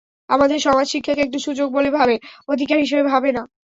আমাদের সমাজ শিক্ষাকে একটি সুযোগ বলে ভাবে, অধিকার হিসেবে ভাবে না।